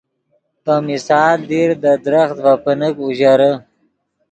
پے مثال دیر دے درخت ڤے پینیک اوژرے